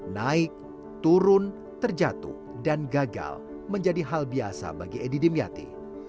naik turun terjatuh dan gagal menjadi hal biasa bagi edi dimyati